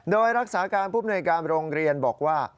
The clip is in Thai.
โดยรักษาการผู้มนวยการโรงเรียนบอกว่า